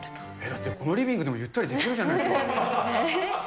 だって、このリビングでもゆったりできるじゃないですか。